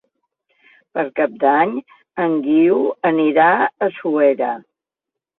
Per Cap d'Any en Guiu anirà a Suera.